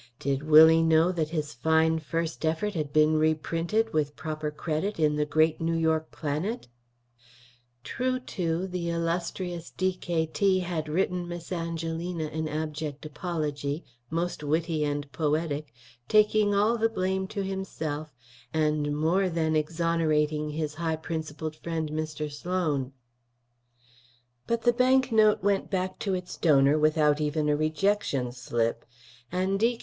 Did Willie know that his fine first effort had been reprinted, with proper credit, in the great New York Planet? True, too, the illustrious D.K.T. had written Miss Angelina an abject apology, most witty and poetic, taking all the blame to himself and more than exonerating his high principled friend Mr. Sloan. But the bank note went back to its donor without even a rejection slip; and D.K.